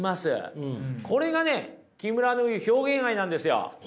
これがね木村の言う表現愛なんですよ。